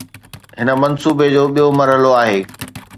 هن منصوبي جو ٻيو مرحلو آهي